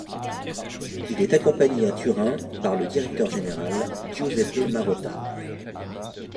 Il est accompagné à Turin par le directeur général Giuseppe Marotta.